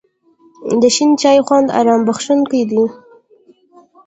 د شین چای خوند آرام بښونکی دی.